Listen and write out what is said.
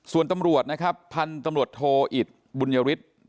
ส่วนตำรวจนะครับพันธุ์ตำรวจโทอิตบุญยฤทธิ์